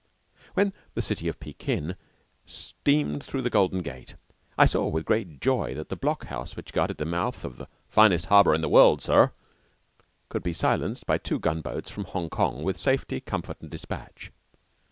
When the "City of Pekin" steamed through the Golden Gate, I saw with great joy that the block house which guarded the mouth of the "finest harbor in the world, sir," could be silenced by two gunboats from Hong Kong with safety, comfort, and despatch.